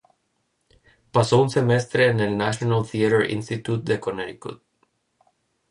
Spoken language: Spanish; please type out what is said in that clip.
Pasó un semestre en el National Theater Institute de Connecticut.